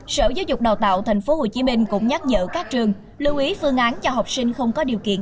sở giáo dục đào tạo tp hcm cũng nhắc nhở các trường lưu ý phương án cho học sinh không có điều kiện